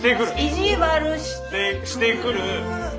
意地悪してくる。